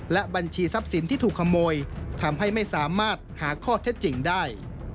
และบัญชีทรัพย์สินที่ถูกขโมยทำให้ไม่สามารถหาข้อเท็จจริงได้